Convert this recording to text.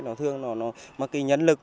nó thường nó mất cái nhấn lực